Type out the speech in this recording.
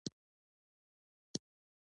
وسله د امن فضا نړوي